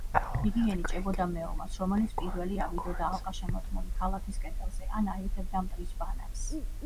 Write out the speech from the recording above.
იგი ენიჭებოდა მეომარს რომელიც პირველი ავიდოდა ალყაშემორტყმული ქალაქის კედელზე, ან აიღებდა მტრის ბანაკს.